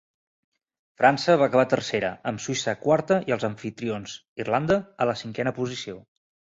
França va acabar tercera, amb Suïssa quarta i els amfitrions, Irlanda, a la cinquena posició.